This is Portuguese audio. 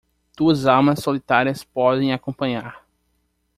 Duas almas solitárias podem acompanhar